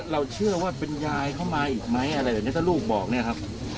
เราเชื่อว่าเป็นยายเข้ามาอีกไหมอะไรแบบนี้ถ้าลูกบอกเนี่ยครับ